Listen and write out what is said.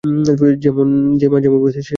যে যেমন বুঝেছে, সে তেমন করছে।